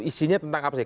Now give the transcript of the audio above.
isinya tentang apa sih